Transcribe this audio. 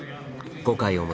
５回表。